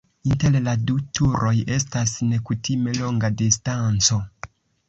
Inter la du turoj estas nekutime longa distanco.